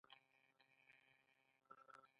عصري تعلیم مهم دی ځکه چې د میوزیک پروډکشن اسانوي.